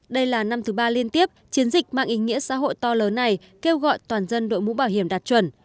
đây là năm thứ ba liên tiếp chiến dịch mạng ý nghĩa xã hội to lớn này kêu gọi toàn dân đội mũ bảo hiểm đạt chuẩn